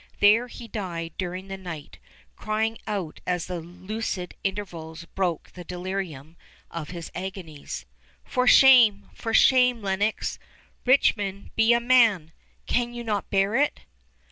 There he died during the night, crying out as the lucid intervals broke the delirium of his agonies: "For shame! for shame Lenox! Richmond, be a man! Can you not bear it?"